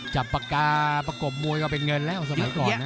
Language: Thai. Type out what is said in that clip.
จับปากกาประกบมวยก็เป็นเงินแล้วสมัยก่อนนะ